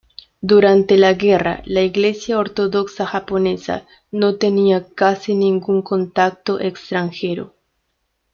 Durante la guerra, la Iglesia Ortodoxa Japonesa no tenía casi ningún contacto extranjero.